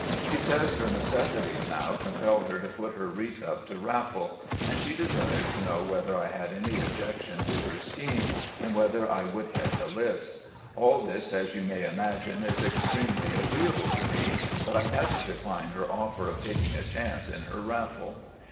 She says her necessities now compel her to put her wreath up to raffle, and she desired to know whether I had any objection to her scheme, and whether I would head the list. All this, as you may imagine, is extremely agreeable to me, but I had to decline her offer of taking a chance in her raffle.